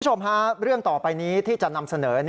คุณผู้ชมฮะเรื่องต่อไปนี้ที่จะนำเสนอ